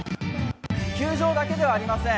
球場だけではありません。